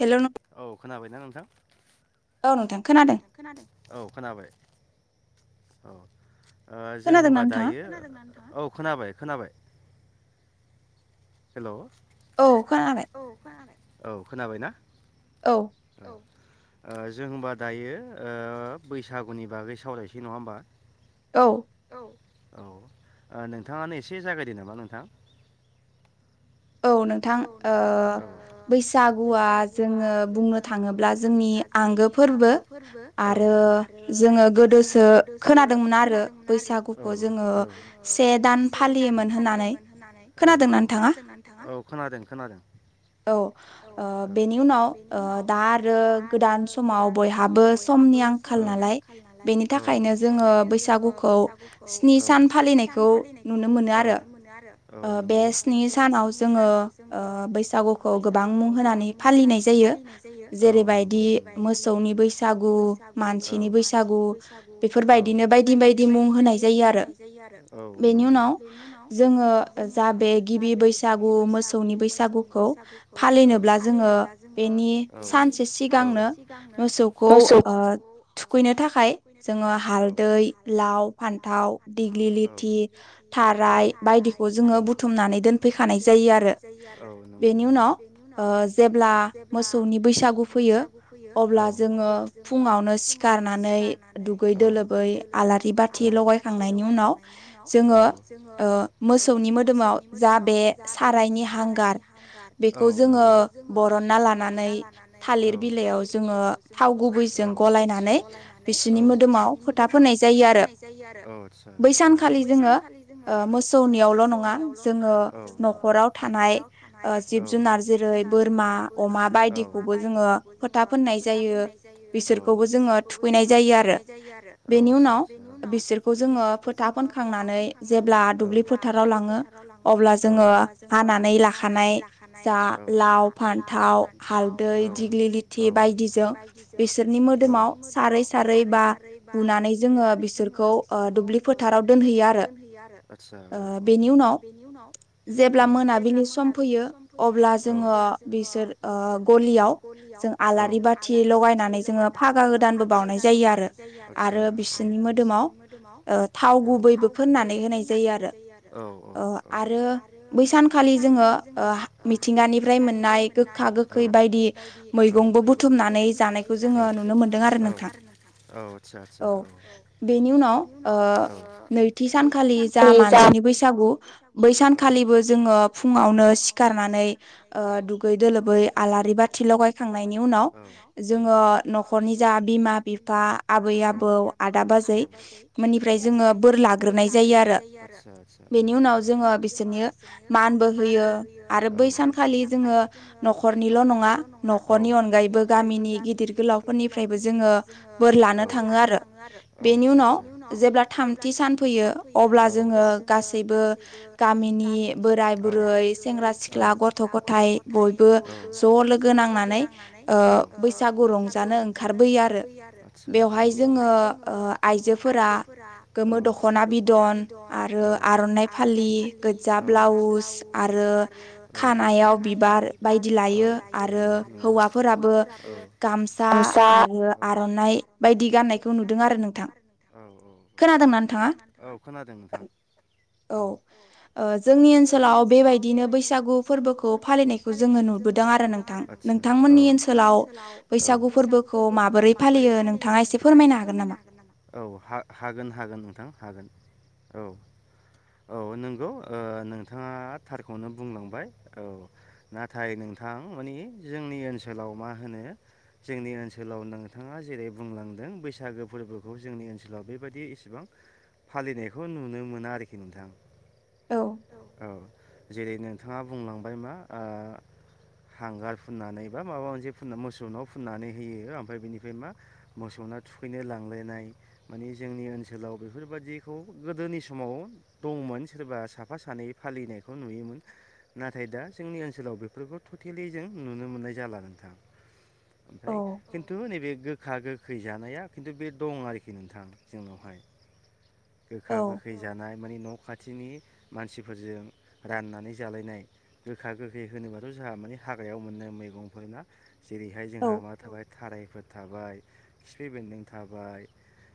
Hello नोंथां। खोनाबायना नोंथां औ नोंथां खोनादों औ खोनाबाय। औ जों होनबा दायो औ खोनाबाय। खोनाबाय। हेलौ औ खोनादों औ खोनाबाय ना। औ। जों होनबा दायो बैसागुनि बागै सावरायसै नङा होमबा। औ। औ नोंथांङानो एसे जागायदो नामा नोंथां। औ नोंथां ओ बैसागुआ जोंङो बुंनो थांङोब्ला जोंनि। आंगो फोरबो आरो जोंङो गोदोसो खोनादोंमोन आरो बैसागु। बैसागुखौ जोङो से दान फालियोमोन होननानै खोना दोंना नोंथाङा? औ खोनादों खोनादों। औ ओ बेनि उनाव ओ दा आरो गोदान समाव बयहाबो सम बयहाबो समनि आंखाल नालाय बेनि थाखायनो जोङो बैसागुखौ स्नि सान फालिनायखौ नुनो मोन आरो‌ बे सिनि सान - सानाव जोङो ओ बैसागुखौ गोबां मुं होनानै फालिनाय जायो जेरै- बाय मोसौनि बैसागु, मानसिनि बैसागु, बेफोरबायदिनो बायदि बायदि मुं होनाय। बिब्दि मुं होनाय जायो आरो बेनि उनाव जोङो जा बे मोसौनि बैसागुखौ फालिनोब्ला जोङो बेनि सानसे सिगांनो मोसौखौ ओ थुखैनो थाखाय जोङो हालदै, लाव फान थाव, दिग्लि लिथि, थाराय बायदिखौ जोङो बुथुमनानै दोनफैखानाय फैखानाय जायो आरो बेनि उनाव जेब्ला मोसौनि बैसागु फै अब्ला जोङो फुङावनो सिखारनानै दुगै-दोलोबै आलारि बाथि लगाय खांनायनि उनाव जोङो ओ मोसौनि मोदोमाव मोदोमाव जा सारायनि हांगार बेखौ जोङो बरनना लानानै थालिर बिलाइयाव जोङो थाव गुबैजों गलायनानै बिसोरनि मोदोमाव फोथा फोनाय जायो आरो बिदिनो आरो। बै सानखालि जोङो ओ मोसौनियाव जोङो न'खराव थानाय ओ जिब-जुनार जेरै- बोरमा, अमा बायदिखौबो जोङो फोथा फोननाय फोथा फोननाय जायो बिसोरखौबो जोङो थुखैनाय जायो आरो बेनि उनाव जोङो फोथा फोनखांनानै जेब्ला दुब्लि फोथाराव लाङो अब्ला जोङो हानानै लाखानाय जा लाव, फान्थाव, हालदै, दिग्लि लिथि बाय बायदिजों बिसोरनि मोदोमाव सारै सारै बा बुनानै जोङो बिसोरखौ बिसोरखौ ओ दुब्लि फोथाराव दोनहैयो आरो आथसा औ औ बेनि उनाव जेब्ला मोनाबिलि सम फैयो अब्ला जोङो बिसोर ओ गलियाव जों आलारि बाथि लगायनानै जोङो फागा गोदानबो बावनाय जायो आरो आरो बिसोरनि मोदोम मोदोमाव थाव गुबैबो फोननानै होनाय जायो आरो औ औ औ बै सानखालि जोङो ओ हा मिथिंगानिफ्राय मोननाय गोखा-गोखै बायदि मै औ औ मैगंबो बुथुमनानै जानायखौ जोङो नुनो मोनदों आरो नोंथां औ आदसा आदसा औ बेनि उनाव ओ नैथि सानखालि जा मानसिनि बैसागु सानखालिबो जोङो फुङावनो सिखारनानै ओ दुगै-दोलोबै आलारि बाथि लगाय खांनायनि उनाव जोङो न'खरनि जा बिमा-बिफा, आबै-आबौ, आदा आदा-बाजै बेनिफ्राय जोङो बोर लाग्रोनाय जायो आरो। बेनि उनाव बिसोरनि मानबो होयो आरो बै सानखालि जोङो न'खरनिल' नङा न'खरनि अनगायैबो गामिनि गिदिर-गोलाव फोरनिफ्रायबो जोङो बोर लानो थाङो आरो। बेनि उनाव जेब्ला थामथि सान फैयो अब्ला जोङो गासैबो गामिनि बोराय, बुरै, सेंग्रा, सिख्ल, गथ'-गथाइ बयबो ज' लोगो नां लोगो नांनानै ओ बैसागु रंजानो ओंखारबोयो आरो बेवहाय जोङो ओ आइजोफोरा गोमो दख'ना बिदन आरो आर'नाइ नि गोजा ब्लाउस आरो खानायाव बिबार बायदि लायो आरो बिदिनो हौवाफोराबो गामसा आरो आर'नाइ बायदि गाननायखौ [unintelligible] औ औ नुदों। औ खोनादोंमोन औ खोनादों नोंथां [unintelligible] ओ जोंनि ओनसोलाव बेबायदिनो बैसागु फोरबोखौ फालिनायखौ जोङो नुबोदों आरो नों थां। नोंथांमोननि ओनसोलाव बैसागु फोरबोखौ माबोरै फालियो नोंथाङा एसे फोरमायनो हागोन फोरमायनो हागोन नामा? औ हा हागोन हागोन नोंथां हागोन औ औ नंगौ ओ नोंथाङा थारखौनो बुंलांबाय औ नाथाय नोंथां माने जोंनि ओनसोलाव मा होनो जोंनि ओनसोलाव नोंथाङा जेरै बुंलांदों बैसागो फोरबोखौ जोंनि ओनसोलाव बेबायदि इसिबां फालिनायखौ नुनो मोना आरोखि नोंथां। औ जेरै नोंथाङा बुंलांबाय मा ओ हांगार फुननानै बा माबा मोनसे फुन मोसौ नाव फुननानै होयो ओमफ्राय बेनिफ्राय मा मोसौ थुखैनो लांलायनाय मानि जोंनि ओनसोलाव बेफोरबायदिखौ गोदोनि समाव दंमोन सोरबा साफा सानै फालिनायखौ नुयोमोन। नाथाय दा जोंनि ओनसोलाव बेफोरखौ टेलि जों नुनो मोननाय जाला नोंथां। ओमफ्राय खिन्थु नैबे गो गोखा गोखै जानाया खिन्थु बे दं आरोखि नोंथां जोंनावहाय। गोखा गोखै जानाय मानि न'- खाथिनि मानसिफोरजों राननानै जालायनाय गोखा-गोखै होनोबाथ' जोंहा माने हाग्रायाव मोनो मैगंफोरना जेरैहाय जोंहा मा थाबाय थारायफोर थाबाय खिफि बेन्दों थाबाय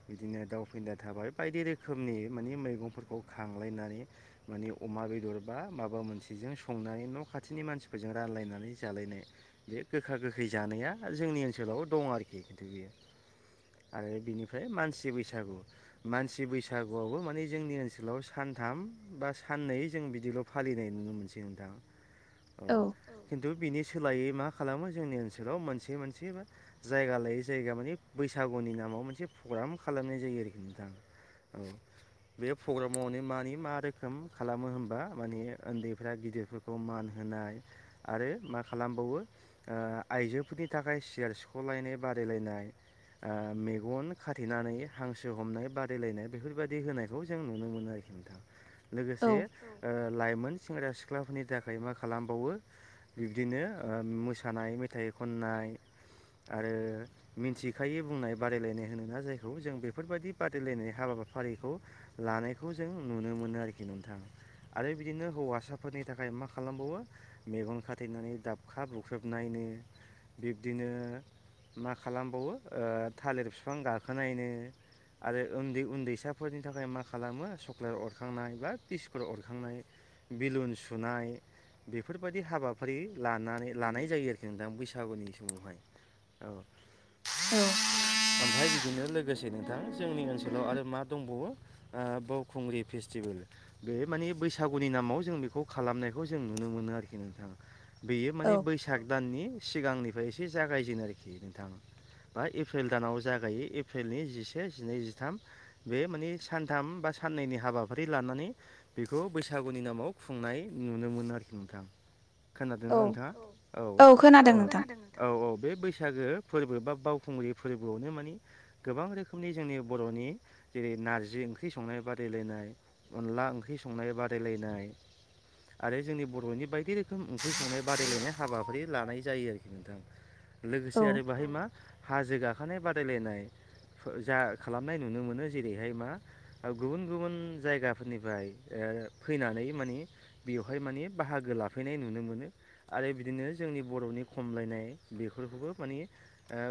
बिदिनो दाउ फिन्दा थाबाय बायदि रोखोमनि मानि मैगंफोरखौ खांलायनानै माने अमा बेदर बा माबा मोनसेजों संनानै न' खाथिनि मानसिफोरजों रा रानलायनानै जालायनाय बे गोखा गोखै जानाया जोंनि ओनसोलाव दं आरोखि खिन्थु बेयो आरो बिनिफ्राय मानसि बैसागु मानसि बैसागुआवबो माने जोंनि ओनोलाव आथिखालाव सानथाम बा साननै जों बिदिल' फालिनाय नुनो मोनसै नोंथां औ खिन्थु बिनि सोलायै मा खालामो जोंनि ओनसोलाव मोनसे मोनसे जायगा लायै जायगा मानि बैसागुनि नाम मोनसेग्राम खालामनाय जायो आरोखि नोंथांऔ प्रग्रामाव मानि मा रोखोम खालामो होनबा माने उन्दैफ्रा गिदिरफोरखौ मान होनाय आरो मा खालामबावो आइजोफोरनि थाखाय सियार सिख'लायनाय बादायलायनाय ओ मेगन खाथेनानै हांसो हमनाय बादायलायनाय बेफोरबायदि होनायखौ जों नुनो मोनो आरोखि नोंथां लोगोसे लाइ सेंग्रा सिख्लाफोरनि थाखाय मा खालामबावो बिब्दिनो मोसानाय मेथाइ खननाय [unintelligible] आरो मिथिखायै बुंनाय बादायलायनाय होनोना जायखौ जों बेफोरबायदि बादायलायनाय हाबा हाबाफारिखौ लानायखौ जों नुनो मोनो आरोखि नोंथां आरो बिदिनो हौवासाफोरनि थाखाय मा खालामबावो मेगन खाथेनानै दाबखाब बुख्रेब नाय [unintelligible] बिब्दिनो मा खालामबावो ओ थालिर बिफां गाखोनायनो आरो उन्दै उन्दैसाफोरनि थाखाय माखासे मा खालामो सक्लेट अरखांनाय बा तिसकुट अरखांनाय बेलुन सुनाय बेफोरबायदि हाबाफारि लानानै लानाय जायो आरोखि नोंथां बैसागुनि समावहाय औ ओमफ्राय बिदिनो लोगोसे नोंथां जोंनि ओनसोलाव आरो मा दंबावो बावखुंग्रि फेस्टिभेल बे माने बैसागुनि नामाव जों बेखौ खालामनायखौ जों नुनो मोनो आरोखि नोंथाङा बेयो माने बैसाग दाननि सिगांनि फ्राय एसे जागायजेनो आरोखि नोंथां बा एप्रिल दानाव जागायो एप्रिलनि जिसे जिनैजिथाम बे माने सानथाम बा साननैनि हाबाफारि लानानै बेखौ बैसागुनि नामाव खुंनाय नुनो मोनो आरोखि नोंथां खोनादों नोंथाङा औ औ औ औ बे बैसागो फोरबो बा बावखुंग्रि फोरबोआवनो मानि गोबां रोखोमनि जोंनि बर'नि जेरै नारजि जि ओंख्रि संनाय बादायलायनाय अनला ओंख्रि संनाय बादायलायनाय आरो जोंनि बर'नि बायदि रोखोम ओंख्रि संनाय बादायलायनाय हाबाफारि लानाय जायो आरोखि नोंथां लोगोसे आरो बाहाय मा हाजो गाखोनाय बादायलायनाय जा खालामनाय नुनो मोनो जेरैहाय मा गुबुन गुबुन जायगाफोरनिफ्राय फैनानै मानि बेवहाय मानि बाहा गो लाफैनाय नुनो मोनो आरो बिदिनो जोंनि बर'नि खमलायनाय बेफोरखौबो माने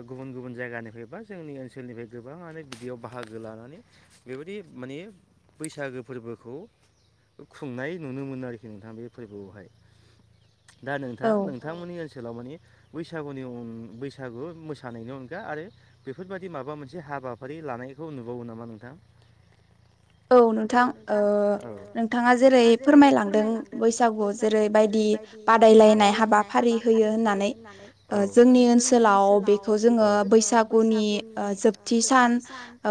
गुबुन गुबुन जायगानिफ्राय बा जोंनि ओनसोलनिफ्राय गोबाङानो बिदियाव बाहागो लानानै बेबायदि माने बैसागो फोरबोखौ खुंनाय नुनो मोनो आरोखि नोंथाङा बे फोरबोआवहाय दा नोंथां नोंथांमोननि ओनसोल ओनसोलाव माने बैसुनि अन बैसागु मोसानायनि अनगा आरो बेफोरबायदि माबा मोनसे हाबाफारि लानायखौ नुबावो नामा नोंथां औ नोंथां ओ नोंथाङा जेरै फोरमायलांदों बैसागु जेरै बायदि बादि बादायलायनाय हाबाफारि होयो होननानै औ जोंनि ओनसोलाव बे ओ बैसागुनि ओ जोबथि सान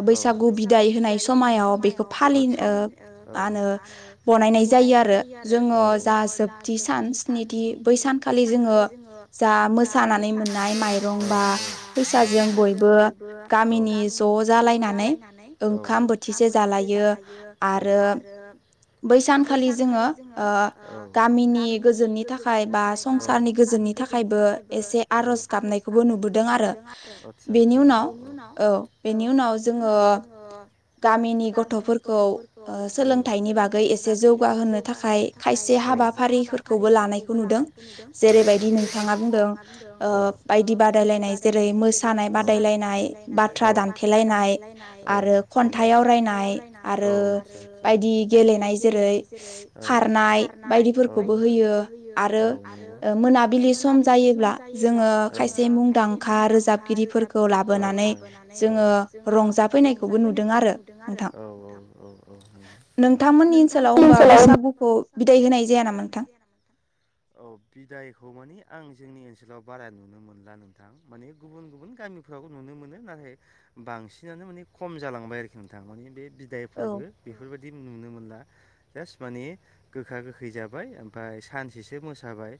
बैसागु बिदाइ होनाय समायाव बेखौ बेखौ फालिनाय ओ मा होनो बनायनाय जायो आरो औ जोङो जा जोब स्निथि बै सानखालि जोङो जा मोसानानै मोननाय माइरं बा फैसाजों बयबो गामिनि ज' जालायनानै ओंखाम बोथिसे जालायो ओ आरो। बै सानखालि जोङो ओ गामिनि गोजोननि थाखाय बा संसारनि गोजोननि गोजोननि थाखायबो एसे आर'ज गाबनायखौबो नुबोदों आरो आदसा आदसा बेनि उनाव बेनि उनाव जोङो गामिनि गथ' गथ'फोरखौ सोलोंथाइनि बागै एसे जौगाहोनो थाखाय खायसे हाबाफारिफोर। खौबो लानायखौ नुदों जेरैबायदि नोंथाङा बुंदों ओ बायदि बादायलायनाय जेरै मोसानाय बादायलायनाय बाथ्रा दानथेलायनाय आरो खन्थाइ आवरायनाय औ आरो आदसा आदसा बायदि गेलेनाय जेरै औ खारनाय औ बायदिफोरखौ आरो मोनाबिलि सम जायोब्ला जोङो खायसे मुंदांखा रोजाबगिरिफोरखौ लाबोनानै जोङो रंजा रंजाफैनायखौबो नुदों आरो औ‌। औ औ नंगौ नोंथां नोंथांमोननि ओनसोलाव बैसागुखौ बिदाइ होनाय जाया नामा नोंथां औ बिदायखौ माने आं जोंनि ओनसोलाव बारा नुनो मोनला नोंथां माने गुबुन गुबुन गामिफ्राव नुनो मोनो नाथाय बा। बांसिनानो मान खम जालांबाय आरोखि नोंथां माने बे बिदाय फोरबो बेफोरबायदि नुनो मोनला जास्ट माने गोखा गोखै जाबाय ओमफ्राय सानसेसो मोसाबाय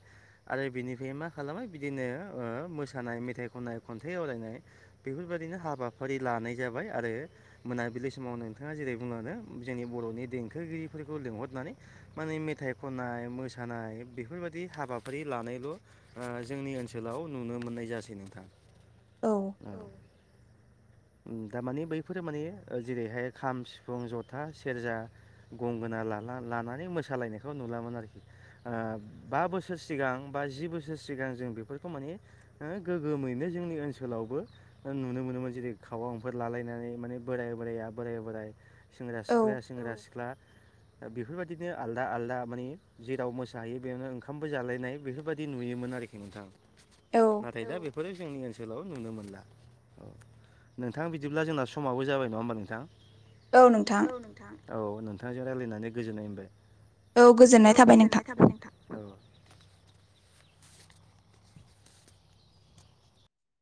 आरो। बेनिफ्राय मा खालामो बिदिनो ओ मोसानाय मेथाइ खननाय खन्थाइ आवरायनाय बेफोरबायदिनो हा। हाबाफारि लानाय जाबाय। जाबाय आरो मोनाबिलि समाव नोंथाङा जेरै बुंबानो जोंनि बर'नि देंखोगिरिफोरखौ लिंहरनानै। माने मेथाइ खननाय मोसानाय बेफोरबायदि हाबाफारि लानायल' ओ जोंनि। ओनसोलाव नुनो मोननाय जासै नोंथां औ। दा माने बैफोरो माने जेरैहाय खाम सिफुं जथा सेरजा गंगोना लाला। लानानै मोसालायनायखौ नुलामोन आरोखि ओ बा बोसोर सिगां बा जि बोसोर सिगां जों। बेफोरखौ माने गोगोमैनो जोंनि ओनसोलावबो नुनो मोनोमोन जेरै खावां। फोर लालायनानै माने बोराय बोराया बोराइ बोराइ सेंग्रा सिख्लाया सेंग्रा सिख्ला दा बेफोरबायाददिनो आलदा आलदा मानि जेराव मोसाहैायो बेयावनो ओंखामबो जालायनाय बेफोरबायदि नुयोमोन आरोखि नोंथां। नाथाय दा बेफोरो जोंनि ओनसोलाव नुनो मोनला औ नों। नोंथां बिदिब्ला जोंना समाब जाबाय नङा होनबा नोंथां। औ नोंथां। औ नोंथांजों रायलायनानै गोजोननाय मोनबाय‌ औ गोजोननाय थाबाय नोंथां औ।